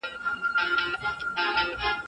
میکروبونه په بالښتونو کې ژوند کوي.